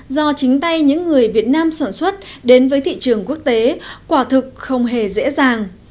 do chính tay những người việt nam sản xuất đến với thị trường quốc tế quả thực không hề dễ dàng